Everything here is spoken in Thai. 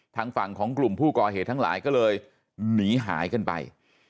ทางฝั่งของกลุ่มผู้ก่อเหตุทั้งหลายก็เลยหนีหายกันไป